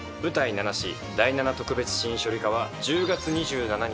『ナナシ−第七特別死因処理課−』は１０月２７日